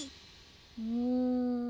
うん。